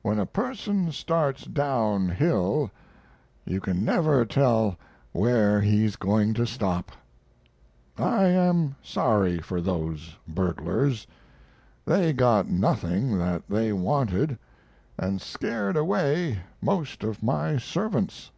When a person starts downhill you can never tell where he's going to stop. I am sorry for those burglars. They got nothing that they wanted and scared away most of my servants.